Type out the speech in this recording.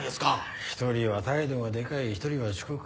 一人は態度がでかい一人は遅刻。